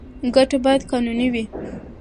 ګټه باید قانوني وي.